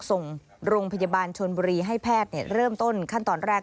ส่งโรงพยาบาลชนบุรีให้แพทย์เริ่มต้นขั้นตอนแรก